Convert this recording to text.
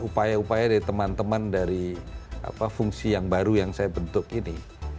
upaya upaya dari teman teman dari fungsi yang baru yang saya bentuk ini